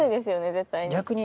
絶対に。